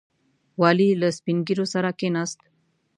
والي له سپین ږیرو سره کښېناست.